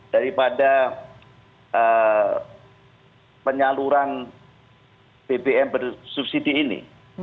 daripada penyaluran bbm bersubsidi ini